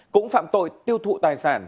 cũng phạm tội tiêu thụ tài sản